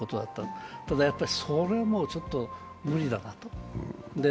ただ、それはもうちょっと無理だなと。